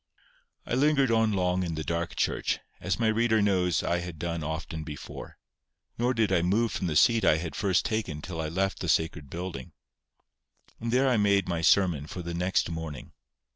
I lingered on long in the dark church, as my reader knows I had done often before. Nor did I move from the seat I had first taken till I left the sacred building. And there I made my sermon for the next morning.